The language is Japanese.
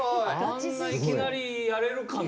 あんないきなりやれるかね。